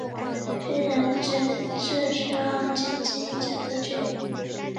确定的诊治需要经基因检测确定。